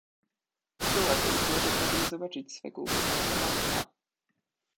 Czuła tylko, że pragnie zobaczyć swego ukochanego malca.